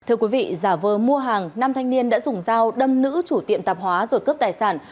thưa quý vị giả vờ mua hàng nam thanh niên đã dùng dao đâm nữ chủ tiệm tạp hóa rồi cướp tài sản